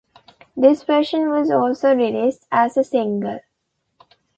This version was also released as a single.